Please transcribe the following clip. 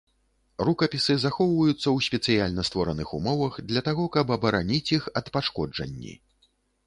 Рукапісы захоўваюцца ў спецыяльна створаных умовах для таго, каб абараніць іх ад пашкоджанні.